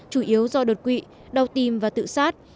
chủ yếu do đột quỵ đau tim và tự sát